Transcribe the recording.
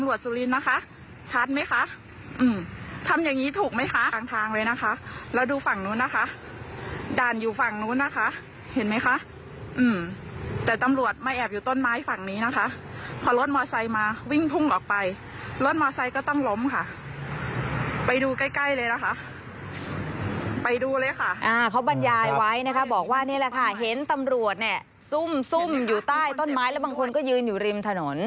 อ่าเขาบรรยายไว้นะคะบอกว่านี่แหละค่ะเห็นตำรวจเนี่ยซุ่มซุ่มอยู่ใต้ต้นไม้แล้วบางคนก็ยืนอยู่ริมถนน